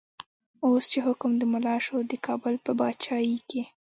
اوس چی حکم د ملا شو، د کابل په با چايې کی